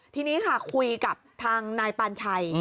ทีนี้ค่ะคุยกับทางนายปานชัย